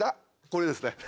これですね。